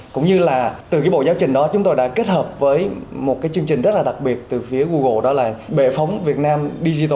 cũng như là từ cái bộ giáo trình đó chúng tôi đã kết hợp với một cái chương trình rất là đặc biệt từ phía google đó là bệ phóng việt nam digital